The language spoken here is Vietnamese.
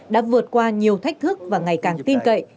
đã vượt qua nhiều thách thức và ngày càng tin cậy